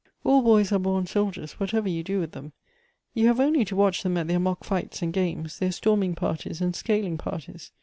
All boys are born soldiers, whatever you do with them. You have only to watch them at their mock fights and games, their storming parties and scaling parties."